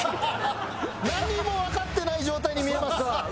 何もわかってない状態に見えます。